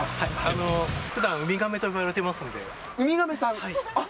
ふだん、ウミガメと呼ばれてウミガメさん。